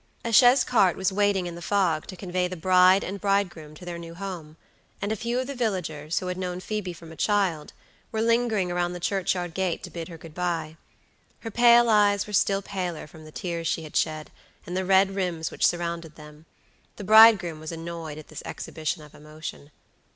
A chaise cart was waiting in the fog to convey the bride and bridegroom to their new home; and a few of the villagers, who had known Phoebe from a child, were lingering around the churchyard gate to bid her good by. Her pale eyes were still paler from the tears she had shed, and the red rims which surrounded them. The bridegroom was annoyed at this exhibition of emotion.